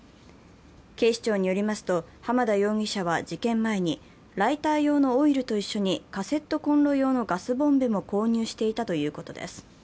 警視庁によりますと、浜田容疑者は事件前にライター用のオイルと一緒にカセットコンロ用のガスボンベも購入していたということです。